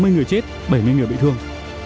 sáu mươi người chết bảy mươi người bị thương